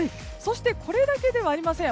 これだけではありません。